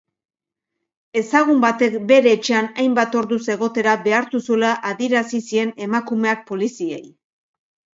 Ezagun batek bere etxean hainbat orduz egotera behartu zuela adierazi zien emakumeak poliziei.